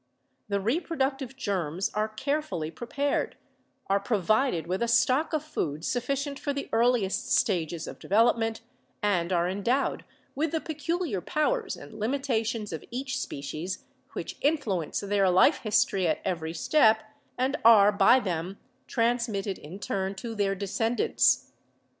The reproductive germs are carefully prepared, are provided with a stock of food sufficient for the earliest stages of development, and are endowed with the peculiar powers and limitations of each species which influence their life history at every step and are by them transmitted in turn to their descendants.